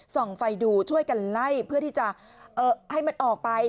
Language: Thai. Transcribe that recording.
ส่องไฟดูช่วยกันไล่เพื่อที่จะให้มันออกไป